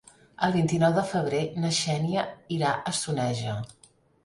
El vint-i-nou de febrer na Xènia irà a Soneja.